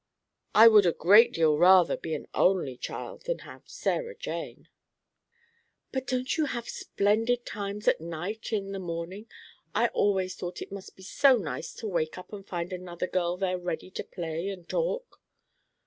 I would a great deal rather be an only child than have Sarah Jane." "But don't you have splendid times at night and in the morning? I always thought it must be so nice to wake up and find another girl there ready to play and talk."